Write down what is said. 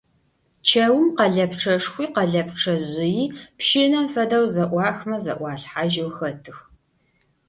Чэум къэлэпчъэшхуи, къэлэпчъэжъыйи пщынэм фэдэу зэӀуахымэ зэӀуалъхьажьэу хэтых.